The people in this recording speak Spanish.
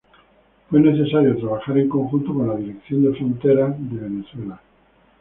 Fue necesario trabajar en conjunto con la Dirección de Fronteras de Venezuela.